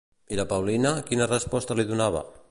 I la Paulina, quina resposta li donava?